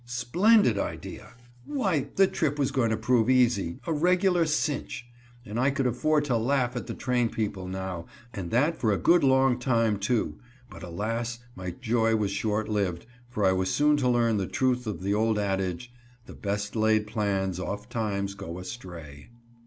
Splendid idea! Why the trip was going to prove easy a regular "cinch," and I could afford to laugh at the train people now, and that for a good long time, too, but alas! my joy was short lived, for I was soon to learn the truth of the old adage: "The best laid plans ofttimes go astray."